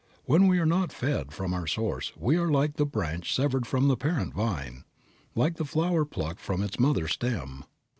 When we are not fed from our Source we are like the branch severed from the parent vine, like the flower plucked from its mother stem.